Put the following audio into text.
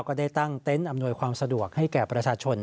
ก็ได้ตั้งเต็นต์อำนวยความสะดวกให้แก่ประชาชน